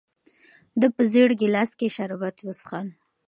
ده په زېړ ګیلاس کې شربت وڅښل.